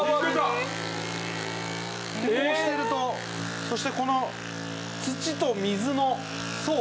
こうしてるとそしてこの土と水の層を見てください。